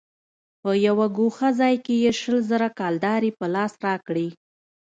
په يوه گوښه ځاى کښې يې شل زره کلدارې په لاس راکړې.